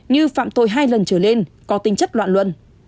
như phạm tội hai lần trở lên có tính chất loạn luận